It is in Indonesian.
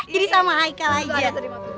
jadi sama haikal aja